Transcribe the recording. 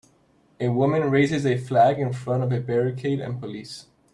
A woman raises a flag in front of a barricade and police.